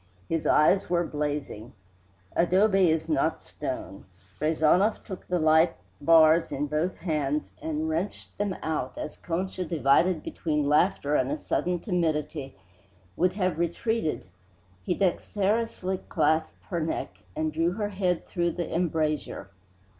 His eyes were blazing. Adobe is not stone. Rezanov took the light bars in both hands and wrenched them out; then, as Concha, divided between laughter and a sudden timidity, would have retreated, he dexterously clasped her neck and drew her head through the embrasure.